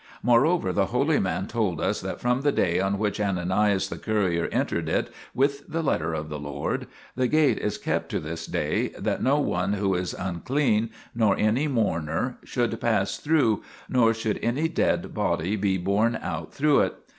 More over the holy man told us that from the day on which Ananias the courier entered it with the letter of the Lord, the gate is kept to this day, that no one who is unclean, nor any mourner, should pass through nor should any dead body be borne out through it.